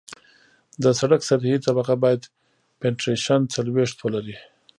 د سرک سطحي طبقه باید پینټریشن څلوېښت ولري